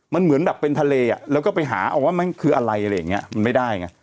มันเหมือนแบบเป็นทะเลอ่ะแล้วก็ไปหาเอาว่ามันคืออะไรอะไรอย่างนี้มันไม่ได้ไง